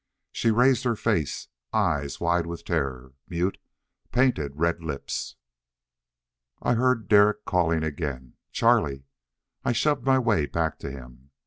She raised her face. Eyes, wide with terror. Mute, painted red lips.... I heard Derek calling again, "Charlie!" I shoved my way back to him.